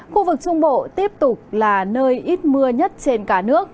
khu vực trung bộ tiếp tục là nơi ít mưa nhất trên cả nước